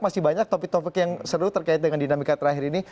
masih banyak topik topik yang seru terkait dengan dinamika terakhir ini